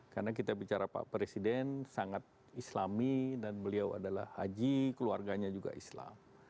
karena kita bicara pak presiden sangat islami dan beliau adalah haji keluarganya juga islam